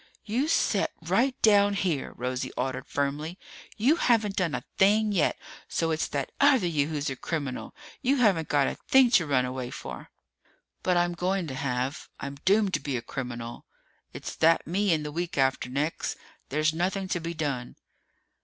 "You set right down here," Rosie ordered firmly. "You haven't done a thing yet, so it's that other you who's a criminal. You haven't got a thing to run away for!" "But I'm going to have! I'm doomed to be a criminal! It's that me in the week after next! There's nothing to be done!"